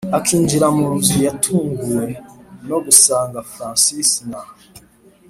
akinjira munzu yatunguwe nogusanga francis na